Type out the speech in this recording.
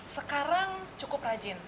sekarang cukup rajin